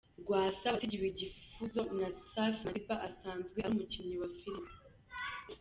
Rwasa wasigiwe igifuzo na Safi Madiba asanzwe ari umukinnyi wa Filime.